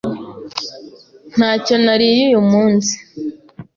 Ntacyo nariye uyu munsi.